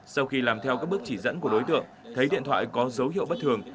sau khi làm theo các bước chỉ dẫn của đối tượng thấy điện thoại có dấu hiệu bất thường